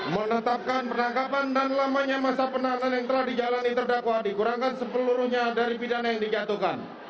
menetapkan penangkapan dan lamanya masa penahanan yang telah dijalani terdakwa dikurangkan sepeluruhnya dari pidana yang dijatuhkan